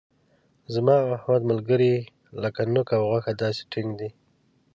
زما او د احمد ملګري لکه نوک او غوښه داسې ټینګه ده.